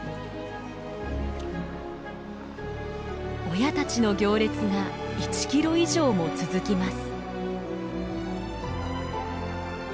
親たちの行列が１キロ以上も続きます。